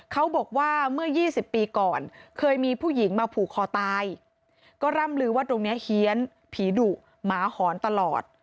เขาบอกว่าเมื่อ๒๐ปีก่อนเคยมีผู้หญิงมาผูกคอตายก็ร่ำลือว่าตรงนี้เฮียนผีดุหมาหอนตลอด